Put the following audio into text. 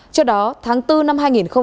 trước đó tháng bốn năm hai nghìn hai mươi